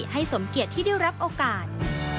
สมเกียจที่ได้รับโอกาส